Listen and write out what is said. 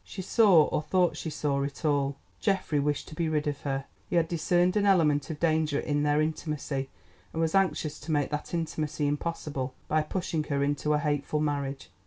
She saw, or thought she saw, it all. Geoffrey wished to be rid of her. He had discerned an element of danger in their intimacy, and was anxious to make that intimacy impossible by pushing her into a hateful marriage.